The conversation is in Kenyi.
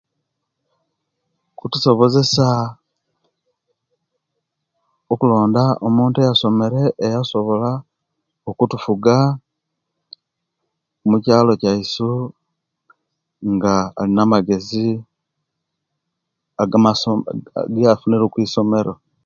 Kutusobozesa okulonda omuntu eyasomere esobola okututuga mukyalo kyaisu nga alina amagezi agamaso egiyafunire okwisomero